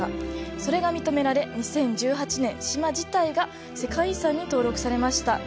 それが認められ、２０１８年島自体が世界遺産に登録されました。